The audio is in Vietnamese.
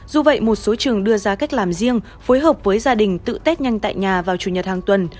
dù vậy một số trường đưa ra cách làm riêng phối hợp với gia đình tự tết nhanh tại nhà vào chủ nhật hàng tuần